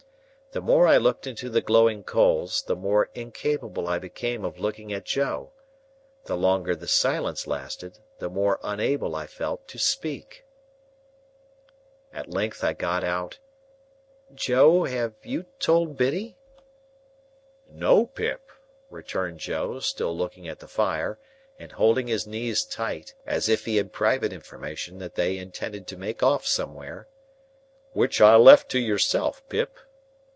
The more I looked into the glowing coals, the more incapable I became of looking at Joe; the longer the silence lasted, the more unable I felt to speak. At length I got out, "Joe, have you told Biddy?" "No, Pip," returned Joe, still looking at the fire, and holding his knees tight, as if he had private information that they intended to make off somewhere, "which I left it to yourself, Pip."